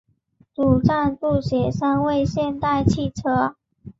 主赞助商为现代汽车。